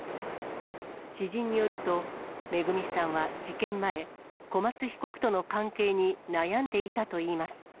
知人によると、恵さんは事件前、小松被告との関係に悩んでいたといいます。